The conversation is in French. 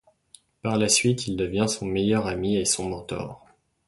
Par la suite, il devient son meilleur ami et son mentor.